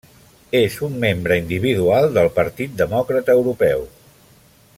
És un membre individual del Partit Demòcrata Europeu.